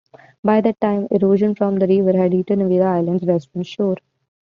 By that time, erosion from the river had eaten away the island's western shore.